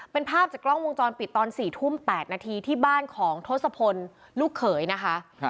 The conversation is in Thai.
เป็นภาพจากกล้องวงจรปิดตอน๔ทุ่ม๘นาทีที่บ้านของทศพลลูกเขยนะคะ